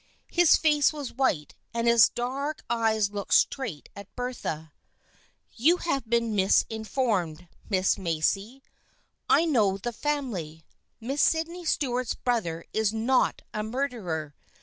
His face was white and his dark eyes looked straight at Bertha. " You have been misinformed, Miss Macy. I know the family. Miss Sydney Stuart's brother is not a murderer.